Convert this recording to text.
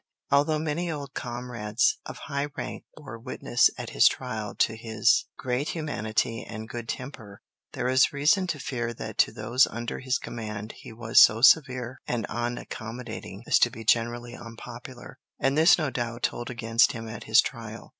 Although many old comrades of high rank bore witness at his trial to his great humanity and good temper, there is reason to fear that to those under his command he was so severe and unaccommodating as to be generally unpopular, and this no doubt told against him at his trial.